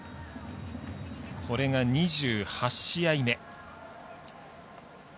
これが２８試合目。